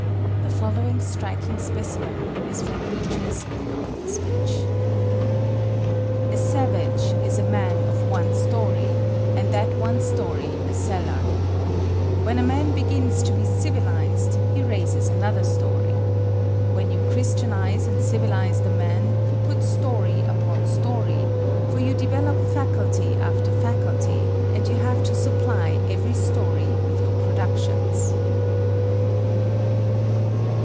The following striking specimen is from Beecher's Liverpool speech: A savage is a man of one story, and that one story a cellar. When a man begins to be civilized he raises another story. When you christianize and civilize the man, you put story upon story, for you develop faculty after faculty; and you have to supply every story with your productions.